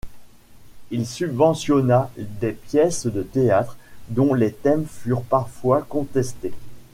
Il subventionna des pièces de théâtre, dont les thèmes furent parfois contestés.